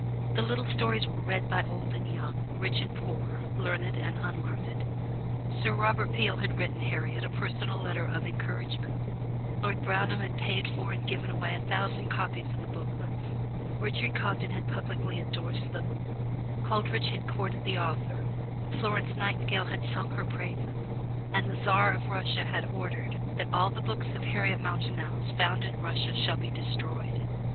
The little stories were read by old and young, rich and poor, learned and unlearned. Sir Robert Peel had written Harriet a personal letter of encouragement; Lord Brougham had paid for and given away a thousand copies of the booklets; Richard Cobden had publicly endorsed them; Coleridge had courted the author; Florence Nightingale had sung her praises, and the Czar of Russia had ordered that "all the books of Harriet Martineau's found in Russia shall be destroyed."